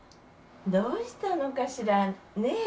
どうしたのかしらね？